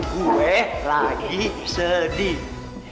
gue lagi sedih